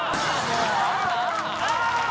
ああ！